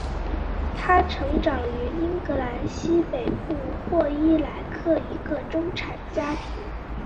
她成长于英格兰西北部霍伊莱克一个中产家庭。